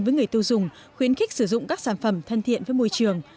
với người tiêu dùng khuyến khích sử dụng các sản phẩm thân thiện với môi trường